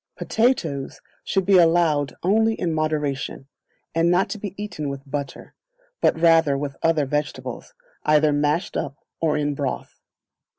Potatoes should be allowed only in moderation, and not to be eaten with butter, but rather with other vegetables, either mashed up or in broth.